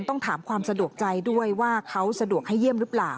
ต้องถามความสะดวกใจด้วยว่าเขาสะดวกให้เยี่ยมหรือเปล่า